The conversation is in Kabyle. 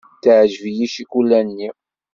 Teɛjeb-iyi ccikula-nni.